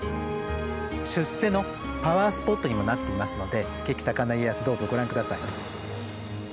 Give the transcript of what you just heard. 出世のパワースポットにもなっていますので血気盛んな家康どうぞご覧下さい。